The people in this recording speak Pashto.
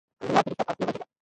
انډیواله په مثبت اړخ وغګیږه.